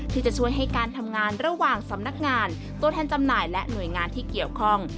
ที่จะช่วยให้การทำงานระหว่างสำนักงานตัวแทนจำหน่ายและหน่วยงานที่เกี่ยวข้อง